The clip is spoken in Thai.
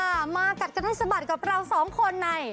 ค่ะมากัดกันให้สบัดกับเรา๒คนไหน